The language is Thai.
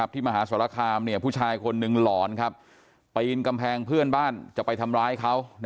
ที่มหาศรครามผู้ถ้าร่อนไปอิ่นกำแพงเพื่อนบ้านจะไปทำร้ายเขา